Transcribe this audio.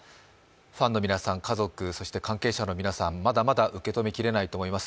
ファンの皆さん、家族、そして関係者の皆さん、まだまだ受け止めきれないと思います。